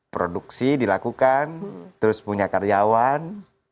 produksi dilakukan terus punya karyawan